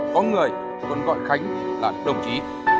có người vẫn gọi khánh là đồng chí